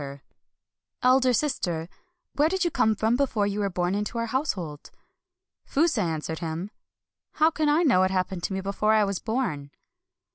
278 THE REBIRTH OF KATSUGORO " Elder Sister, where did you come from before you were born into our housebold ?" Fusa answered him :— "How can I know what happened to me before I was born